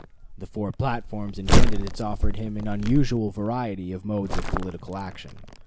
The four platforms and candidates offered him an unusual variety of modes of political action.